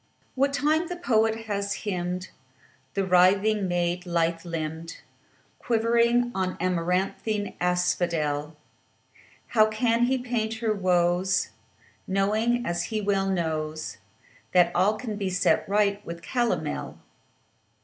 What time the poet hath hymned The writhing maid, lithe limbed, Quivering on amaranthine asphodel, How can he paint her woes, Knowing, as well he knows, That all can be set right with calomel?